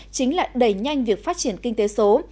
chính là đẩy nhanh việc phát triển kinh tế số